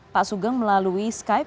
pak sugeng melalui skype